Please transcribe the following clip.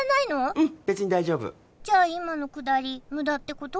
うん別に大丈夫じゃあ今のくだりムダってこと？